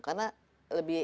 karena lebih enak